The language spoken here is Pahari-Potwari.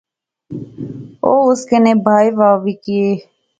او اس کنے بائے وہا وی کہیہ